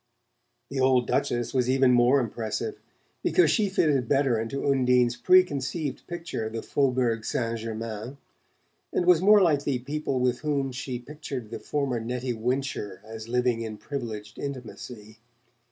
The old Duchess was even more impressive, because she fitted better into Undine's preconceived picture of the Faubourg Saint Germain, and was more like the people with whom she pictured the former Nettie Wincher as living in privileged intimacy.